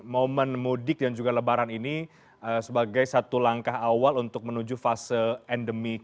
momen mudik dan juga lebaran ini sebagai satu langkah awal untuk menuju fase endemi covid